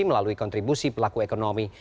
melalui kontribusi pelaku ekonomi